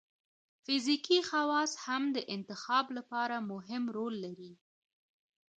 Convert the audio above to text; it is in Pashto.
فزیکي خواص هم د انتخاب لپاره مهم رول لري.